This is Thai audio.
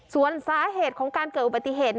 ส่วนสาเหตุของการเกิดอุบัติเหตุ